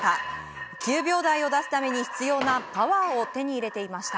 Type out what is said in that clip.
９秒台を出すために必要なパワーを手に入れていました。